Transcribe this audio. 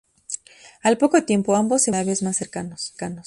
Al poco tiempo, ambos se vuelven cada vez más cercanos.